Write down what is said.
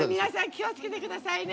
気をつけてくださいね。